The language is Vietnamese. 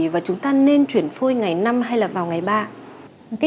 và chúng ta nên chuyển phôi ngày năm hay là vào ngày ba